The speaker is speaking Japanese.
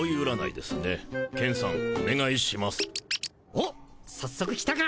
おっさっそく来たか！